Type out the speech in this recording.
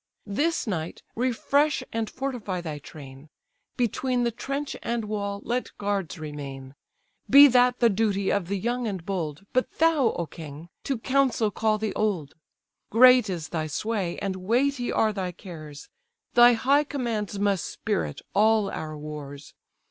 This night, refresh and fortify thy train; Between the trench and wall let guards remain: Be that the duty of the young and bold; But thou, O king, to council call the old; Great is thy sway, and weighty are thy cares; Thy high commands must spirit all our wars.